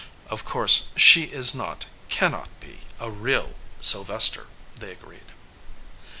"Of course she is not, cannot be, a real Sylvester," they agreed.